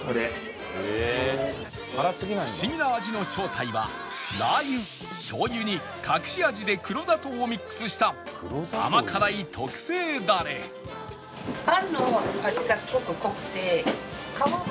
不思議な味の正体は辣油醤油に隠し味で黒砂糖をミックスした甘辛い特製ダレ乾杯！